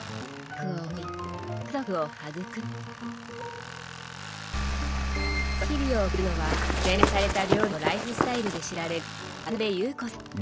そんな日々を送るのは洗練された料理とライフスタイルで知られる渡辺有子さん。